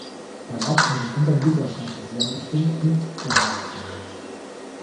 Herr Watson Sie sind ein guter Schotte -, Sie haben bestimmt mitgehalten.